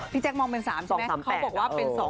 แจ๊คมองเป็น๓ใช่ไหมเขาบอกว่าเป็น๒๒